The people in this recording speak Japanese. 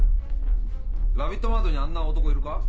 ラビットマートにあんな男いるか？